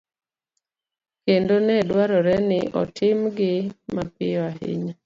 kendo ne dwarore ni otimgi mapiyo ahinya